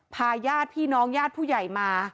พาย่าดพี่น้องย่าดผู้ใหญ่มา